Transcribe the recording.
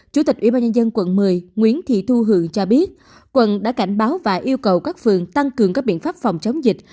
chủ tịch ubnd quận một mươi nguyễn thị thu hường cho biết quận đã cảnh báo và yêu cầu các phường tăng cường các biện pháp phòng chống dịch